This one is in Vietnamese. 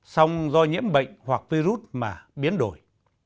sống do nhiễm bệnh hoặc virus mà biến đổi